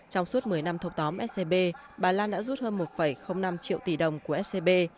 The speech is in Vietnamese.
trong suốt một mươi năm thâu tóm scb bà lan đã rút hơn một năm triệu tỷ đồng của scb